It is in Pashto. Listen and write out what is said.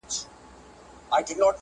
دا وطن دعقابانو -